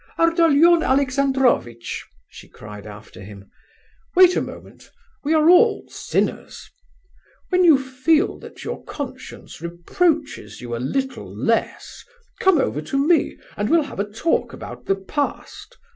"Ardalion Alexandrovitch," she cried after him, "wait a moment, we are all sinners! When you feel that your conscience reproaches you a little less, come over to me and we'll have a talk about the past!